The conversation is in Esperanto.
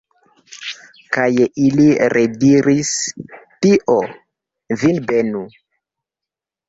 Kaj ili rediris: Dio vin benu!